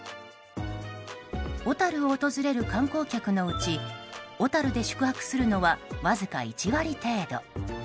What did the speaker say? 小樽を訪れる観光客のうち小樽で宿泊するのはわずか１割程度。